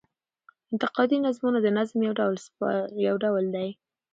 انتقادي نظمونه د نظم يو ډول دﺉ.